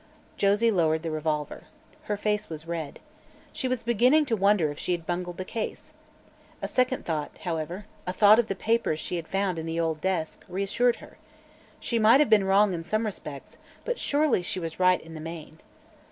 Josie lowered the revolver. Her face was red. She was beginning to wonder if she had bungled the case. A second thought, however a thought of the papers she had found in the old desk reassured her. She might have been wrong in some respects, but surely she was right in the main.